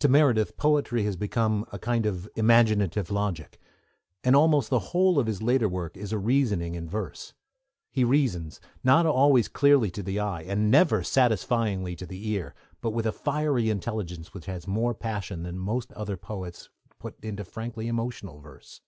To Meredith poetry has come to be a kind of imaginative logic, and almost the whole of his later work is a reasoning in verse. He reasons, not always clearly to the eye, and never satisfyingly to the ear, but with a fiery intelligence which has more passion than most other poets put into frankly emotional verse.